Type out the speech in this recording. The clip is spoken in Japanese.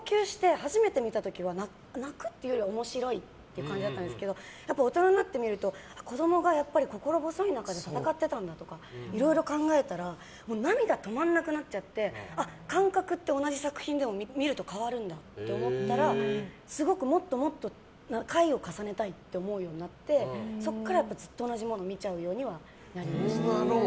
初めて見た時は泣くっていうよりは面白いって感じだったんですけど大人になって見ると子供が心細い中で戦っていたんだとかいろいろ考えたら涙が止まらなくなっちゃって感覚って同じ作品でも見ると変わるんだと思ったらすごく、もっともっと回を重ねたいと思うようになってそこからずっと同じものを見ちゃうようにはなりました。